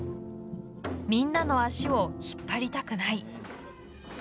みんなの足を引っ張りたくない。